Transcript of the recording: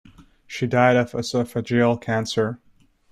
She died of oesophagal cancer.